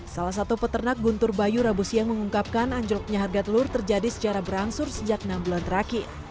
salah satu peternak guntur bayu rabu siang mengungkapkan anjloknya harga telur terjadi secara berangsur sejak enam bulan terakhir